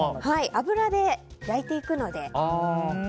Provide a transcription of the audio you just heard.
油で焼いていくので。